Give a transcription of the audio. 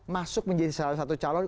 masuk menjadi salah satu calon